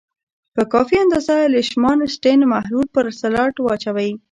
په کافي اندازه لیشمان سټین محلول پر سلایډ واچوئ.